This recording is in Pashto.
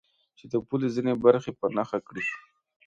چې د پولې ځینې برخې په نښه کړي.